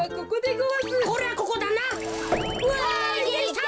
うわ。